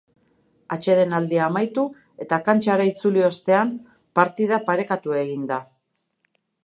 Atsedenaldia amaitu eta kantxara itzuli ostean, partida parekatu egin da.